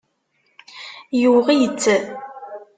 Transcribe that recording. Yuɣ-itt.